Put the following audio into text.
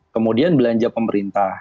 kemudian belanja pemerintah